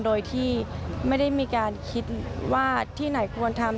โดยที่ไม่ได้มีการคิดว่าที่ไหนควรทำ